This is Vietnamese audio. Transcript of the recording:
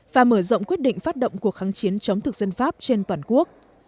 và mở rộng quyết định phát động cuộc kháng chiến chống thực dân pháp trên toàn quốc